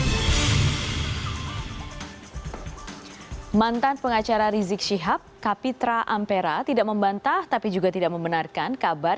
hai mantan pengacara rizik syihab kapitra ampera tidak membantah tapi juga tidak membenarkan kabar